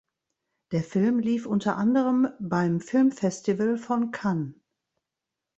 Der Film lief unter anderem beim Filmfestival von Cannes.